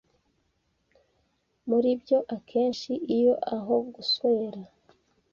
Muri byo akenshi iyo aho guswera